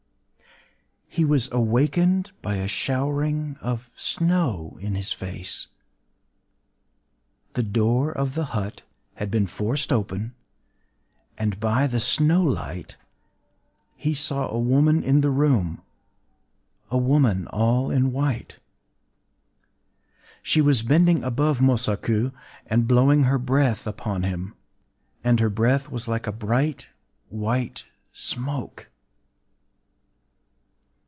He was awakened by a showering of snow in his face. The door of the hut had been forced open; and, by the snow light (yuki akari), he saw a woman in the room,—a woman all in white. She was bending above Mosaku, and blowing her breath upon him;—and her breath was like a bright white smoke.